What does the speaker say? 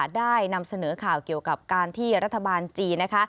ได้นำเสนอข่าวเกี่ยวกับการที่รัฐบาลจีนนะคะ